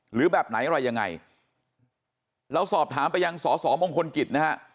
หรือแบบไหนอะไรยังไงเราสอบถามไปยังสอสอมงคลกิจนะฮะ